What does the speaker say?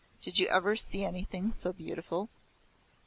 Did you ever see anything so beautiful?"